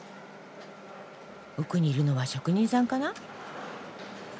奥にいるのは職人さんかな？